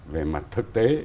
về mặt thực tế